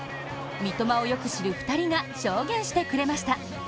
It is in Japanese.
三笘をよく知る２人が証言してくれました。